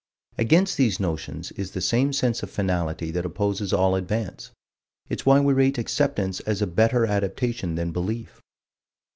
Against these notions is the same sense of finality that opposes all advance. It's why we rate acceptance as a better adaptation than belief.